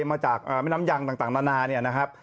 มาจากแม่น้ำยังต่างนานา